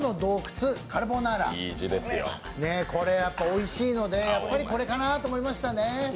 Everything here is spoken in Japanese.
おいしいので、やっぱりこれかなと思いました。